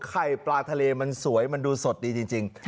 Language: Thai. ไข่ปลาทะเลมันสวยมันดูสดดีจริง